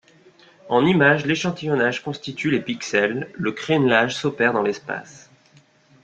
En image, l'échantillonnage constitue les pixels, le crènelage s'opère dans l'espace.